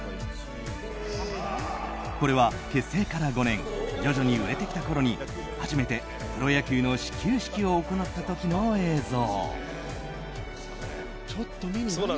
これは結成から５年徐々に売れてきたころに初めてプロ野球の始球式を行った時の映像。